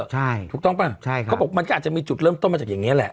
ใช่ถูกต้องป่ะใช่ครับเขาบอกมันก็อาจจะมีจุดเริ่มต้นมาจากอย่างนี้แหละ